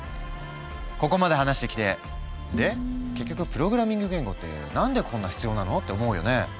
ここまで話してきてで結局プログラミング言語って何でこんな必要なの？って思うよね。